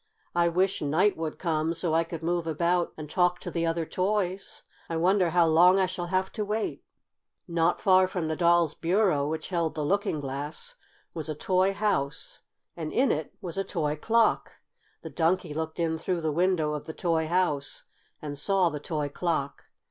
I wish night would come, so I could move about and talk to the other toys. I wonder how long I shall have to wait?" Not far from the doll's bureau, which held the looking glass, was a toy house, and in it was a toy clock. The Donkey looked in through the window of the toy house and saw the toy clock.